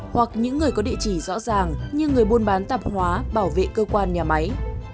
hoặc những người có địa chỉ rõ ràng như người buôn bán tạp hóa bảo vệ cơ quan nhà máy